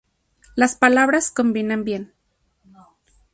Las palabras combinan bien.